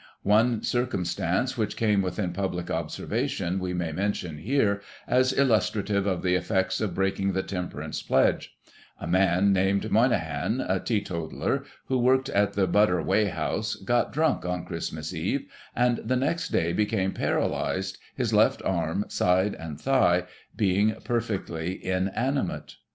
One circumstance which came within public observation, we may mention here, as illustrative of the effects of breaking the temperance pledge:— A man, named Moynehan, a teetotaller, who worked at the Butter Weigh house, got drunk on Christmas Eve, and the next day, became paralysed, his left arm, side and thigh being perfectly inanimate.